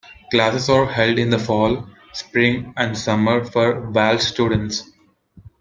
Classes are held in the fall, spring and summer for Walsh students.